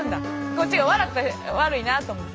こっちが笑ったら悪いなあと思って。